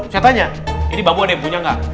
saya tanya ini bambu ade punya gak